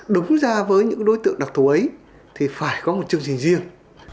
đúng ra với những đối tượng đặc thù ấy thì phải có một chương trình riêng